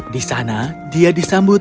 di sana dia disambut